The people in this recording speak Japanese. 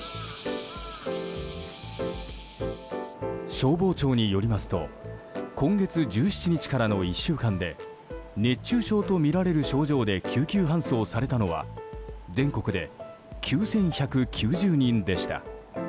消防庁によりますと今月１７日からの１週間で熱中症とみられる症状で救急搬送されたのは全国で９１９０人でした。